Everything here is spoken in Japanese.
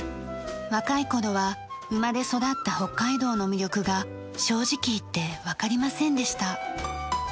若い頃は生まれ育った北海道の魅力が正直言ってわかりませんでした。